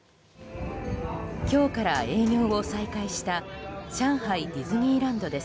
今日から営業を再開した上海ディズニーランドです。